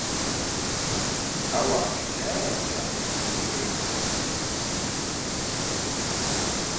ئەوە ئاشکرایە کە ئەو گرنگی بە ئێمە نادات.